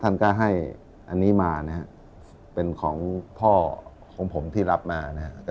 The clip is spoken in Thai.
ท่านก็ให้อันนี้มานะฮะเป็นของพ่อของผมที่รับมานะครับ